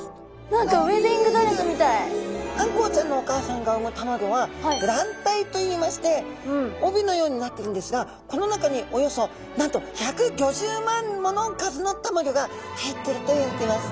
何かあんこうちゃんのお母さんがうむたまギョは卵帯といいまして帯のようになってるんですがこの中におよそなんと１５０万もの数のたまギョが入ってるといわれてます。